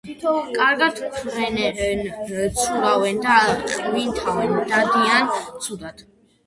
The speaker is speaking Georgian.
კარგად ფრენენ, ცურავენ და ყვინთავენ; დადიან ცუდად.